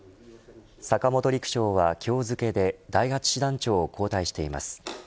坂本陸将は今日付で第８師団長を交代しています。